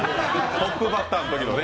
トップバッターのときのね。